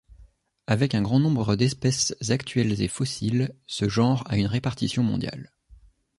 Avec un grand nombre d'espèces actuelles et fossiles, ce genre a une répartition mondiale.